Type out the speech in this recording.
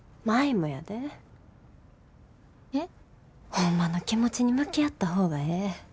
ホンマの気持ちに向き合った方がええ。